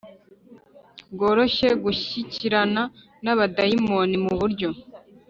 Bworoshye gushyikirana n abadayimoni mu buryo